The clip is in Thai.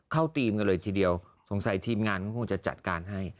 ทีมกันเลยทีเดียวสงสัยทีมงานก็คงจะจัดการให้